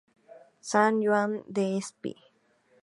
Sant Joan D’Espí.